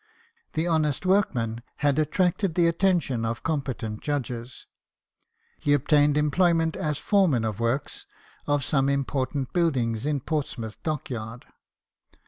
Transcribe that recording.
The honest workman had attracted the attention of competent judges. He obtained employment as foreman of works of some important buildings in Portsmouth Dockyard.